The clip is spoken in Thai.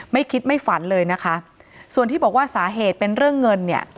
ไม่คิดไม่ฝันเลยนะคะส่วนที่บอกว่าสาเหตุเป็นเรื่องเงินเนี่ย